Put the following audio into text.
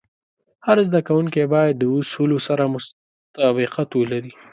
هر زده کوونکی باید د اصولو سره مطابقت ولري.